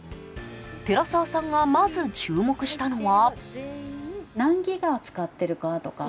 寺澤さんがまず注目したのは。